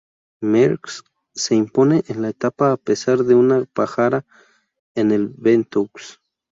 Merckx se impone en la etapa a pesar de una pájara en el Ventoux.